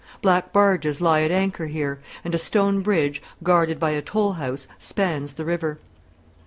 Black barges lie at anchor here; and a stone bridge, guarded by a toll house, spans the river.